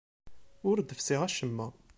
Ur d-fessiɣ acemma.